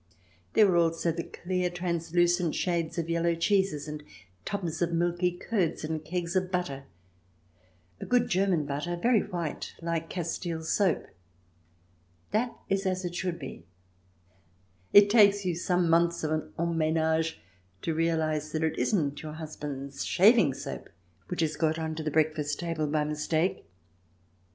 There were also the clear, translucent shades of yellow cheeses, and tubs of milky curds, and kegs of butter — good German butter, very white, like Castile soap. That is as it should be. It takes you some months of en menage to realize that it isn't your husband's shaving soap which has got on to the breakfast table by mistake.